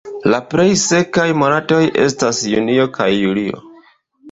La plej sekaj monatoj estas junio kaj julio.